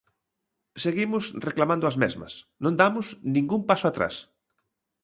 Seguimos reclamando as mesmas, non damos ningún paso atrás.